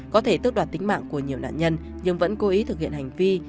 có thể tước đoạt tính mạng của nhiều nạn nhân nhưng vẫn cố ý thực hiện hành vi